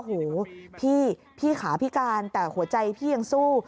โหพี่พี่ขาพิการแต่หัวใจพี่ยังสู้